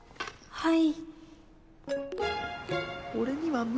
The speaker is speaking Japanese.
はい！